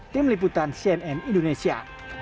tim liputan cnn indonesia